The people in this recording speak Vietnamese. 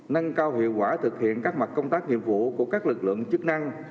nâng cao hiệu quả thực hiện các mặt công tác nhiệm vụ của các lực lượng chức năng